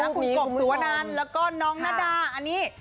คุณกบสุวนันแล้วก็น้องนาดาอันนี้